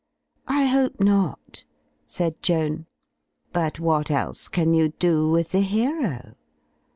"I hope not," said Joan. "But what else can you do with the hero?"